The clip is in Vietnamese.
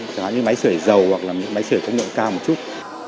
chẳng hạn như máy sửa dầu hoặc là máy sửa công nhận cao một chút